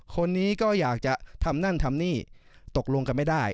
คนนี้ก็อยากจะทำนั่นทำนี่ตกลงกันไม่ได้